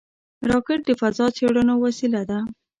راکټ د فضا څېړنو وسیله ده